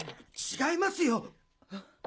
違いますよ！